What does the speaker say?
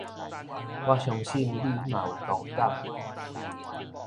我相信你嘛有同感